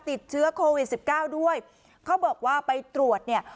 ติดเชื้อโควิดสิบเก้าด้วยเขาบอกว่าไปตรวจเนี่ย